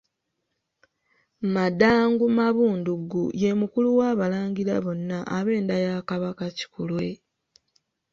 Madangu Mabunduggu ye mukulu w'Abalangira bonna ab'enda ya Kabaka Kikulwe.